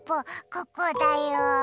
ここだよ。